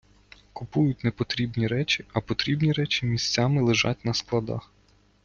Купують непотрібні речі, а потрібні речі місяцями лежать на складах.